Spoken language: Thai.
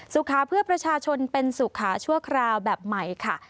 สุขาเพื่อประชาชนเป็นสุขาชั่วคราวแบบใหม่ค่ะ